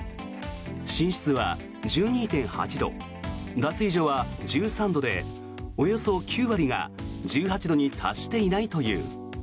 寝室は１２．８度脱衣所は１３度でおよそ９割が１８度に達していないという。